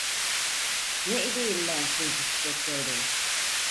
Ne ideyim ben şincik, doktor bey?